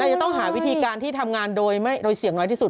จะต้องหาวิธีการที่ทำงานโดยเสี่ยงน้อยที่สุด